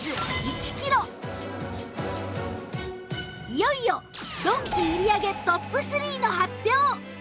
いよいよドンキ売り上げトップ３の発表